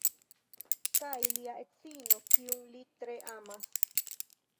kaj lia edzino kiun li tre amas